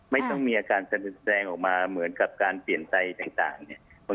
ไม่ต้องมีอาการแสดงออกมาเหมือนกับการเปลี่ยนใจต่างเนี่ย